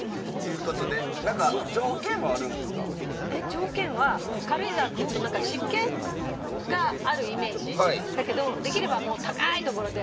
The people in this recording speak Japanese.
条件は軽井沢っていうとなんか湿気があるイメージだけどできればもう高い所で。